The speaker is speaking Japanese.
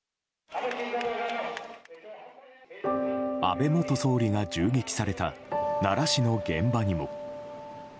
安倍元総理が銃撃された奈良市の現場にも。